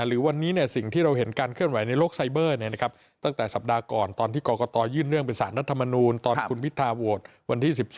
หรือวันนี้สิ่งที่เราเห็นการเคลื่อนไหวในโลกไซเบอร์ตั้งแต่สัปดาห์ก่อนตอนที่กรกตยื่นเรื่องเป็นสารรัฐมนูลตอนคุณพิทาโหวตวันที่๑๒